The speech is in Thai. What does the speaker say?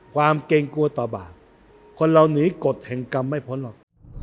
เกรงกลัวต่อบาปคนเราหนีกฎแห่งกรรมไม่พ้นหรอก